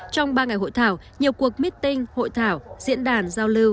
trong ba ngày hội thảo nhiều cuộc meeting hội thảo diễn đàn giao lưu